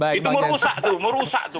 itu merusak tuh